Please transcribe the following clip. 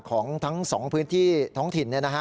ของทั้ง๒พื้นที่ท้องถิ่น